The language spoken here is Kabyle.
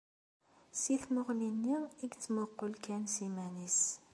Si tmuɣli-nni i yettmuqul kan s iman-is.